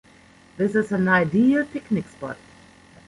This is an ideal picnic spot.